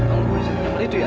kamu ngasih bantuan itu ya